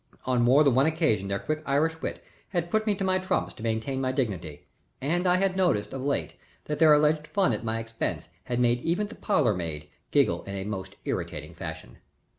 On more than one occasion their quick Irish wit had put me to my trumps to maintain my dignity, and I had noticed of late that their alleged fun at my expense had made even the parlormaid giggle in a most irritating fashion.